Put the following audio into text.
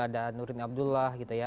ada nurdin abdullah gitu ya